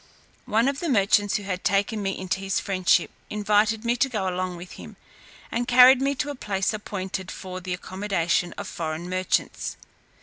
One of the merchants who had taken me into his friendship invited me to go along with him, and carried me to a place appointed for the accommodation of foreign merchants.